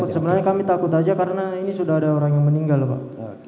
sebenarnya kami takut saja karena ini sudah ada orang yang meninggal pak